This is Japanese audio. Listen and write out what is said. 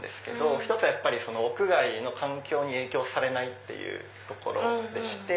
１つは屋外の環境に影響されないっていうところでして。